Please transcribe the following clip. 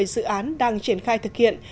bốn trăm một mươi dự án đang triển khai thực hiện